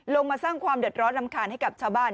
มาสร้างความเดือดร้อนรำคาญให้กับชาวบ้าน